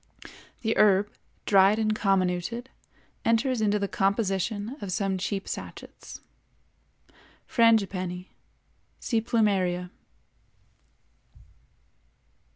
The herb, dried and comminuted, enters into the composition of some cheap sachets. FRANGIPANNI (see Plumeria).